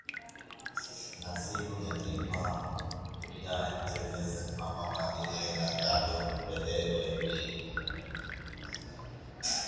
ނަޞީރު ނެތީމާ ހުރިހާ އެއްޗެއްވެސް ހަމަ މަދީ އޭނާގެ އަޑު ބެދޭގޮތް ވި